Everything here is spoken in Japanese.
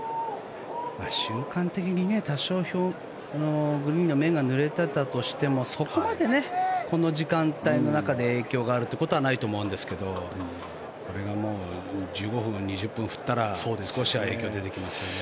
瞬間的に多少グリーンの表面がぬれてたとしてもそこまで、この時間帯の中で影響が出ることはないと思うんですがこれが１５分、２０分降ったら少しは影響が出てきますよね。